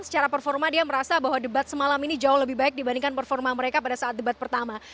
secara performa dia merasa bahwa debat semalam ini jauh lebih baik dibandingkan performa mereka pada saat debat pertama